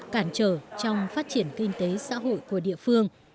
cản trở trong phát triển kinh tế xã hội của địa phương